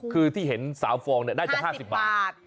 คือที่เห็น๓ฟองเนี่ยได้จะ๕๐บาท